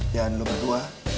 dan lo berdua